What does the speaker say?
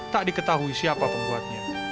tak diketahui siapa pembuatnya